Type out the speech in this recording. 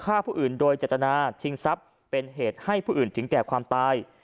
ฆ่าผู้อื่นโดยเจตนาชิงทรัพย์เป็นเหตุให้ผู้อื่นถึงแก่ความตาย